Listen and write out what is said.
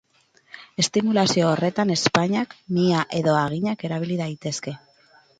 Estimulazio horretan ezpainak, mihia edo haginak erabili daitezke.